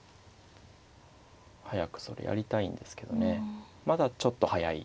早くそれやりたいんですけどねまだちょっと早いですね。